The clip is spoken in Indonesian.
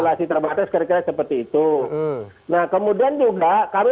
jadi mereka dianggap sebagai ini membahayakan